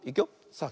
さあ